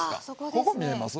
ここ見えます？